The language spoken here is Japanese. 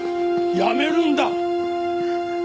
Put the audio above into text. やめるんだ！